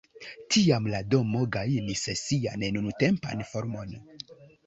Tiam la domo gajnis sian nuntempan formon.